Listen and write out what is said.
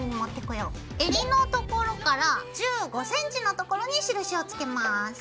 襟のところから１５ｃｍのところに印をつけます。